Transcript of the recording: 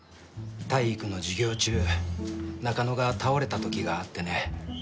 体育の授業中中野が倒れた時があってね。